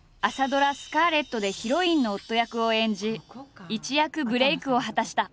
ドラ「スカーレット」でヒロインの夫役を演じ一躍ブレークを果たした。